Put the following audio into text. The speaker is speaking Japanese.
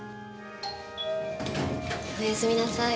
おやすみなさい。